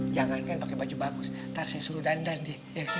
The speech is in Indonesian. jangan pakai baju bagus tersenyum dandan di